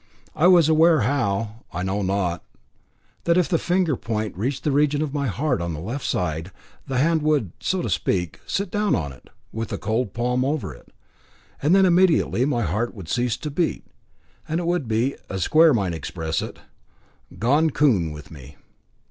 I was aware, how, I know not, that if the finger point reached the region of my heart, on the left side, the hand would, so to speak, sit down on it, with the cold palm over it, and that then immediately my heart would cease to beat, and it would be, as Square might express it, "gone coon" with me.